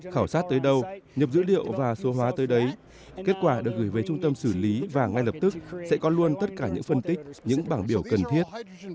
khảo sát tới đâu nhập dữ liệu và số hóa tới đấy kết quả được gửi về trung tâm xử lý và ngay lập tức sẽ có luôn tất cả những phân tích những bảng biểu cần thiết